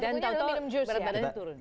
dan tau tau berat badannya turun